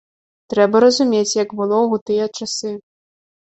Трэба разумець, як было ў тыя часы.